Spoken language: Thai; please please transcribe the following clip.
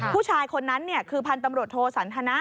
ผู้ชายคนนั้นคือพันธุ์ตำรวจโทสันทนะ